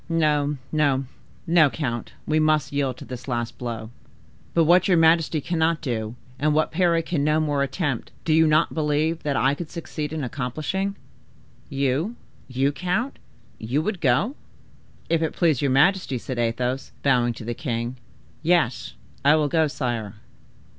No, no, no, count, we must yield to this last blow." "But what your majesty cannot do, and what Parry can no more attempt, do you not believe that I could succeed in accomplishing?" "You—you, count—you would go?" "If it please your majesty," said Athos, bowing to the king, "yes, I will go, sire."